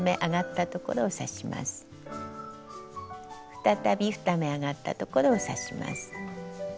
再び２目上がったところを刺します。